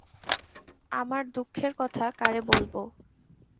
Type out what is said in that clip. আমার দুঃখের কথা কারে বলব?